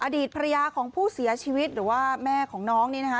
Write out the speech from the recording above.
อดีตภรรยาของผู้เสียชีวิตหรือว่าแม่ของน้องนี่นะคะ